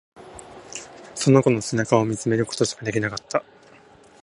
その子の背中を見つめることしかできなかった。